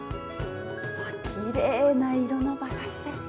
きれいな色の馬刺しですね。